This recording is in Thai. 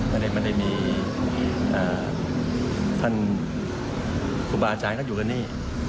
ไม่ได้มีท่านทุบาอาจารย์อยู่กันนี่